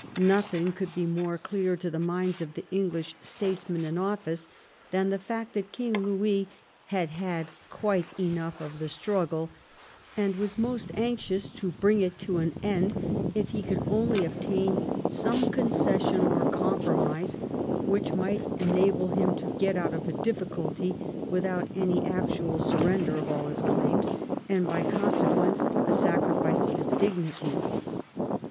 Nothing could be more clear to the minds of the English statesmen in oflSce than the fact that King Louis had had quite enough of the struggle, and was most anxious to bring it to an end if he could only obtain some concession or compromise which might enable him to get out of the difficulty without any actual surrender of all his claims, and by con sequence a sacrifice of his dignity.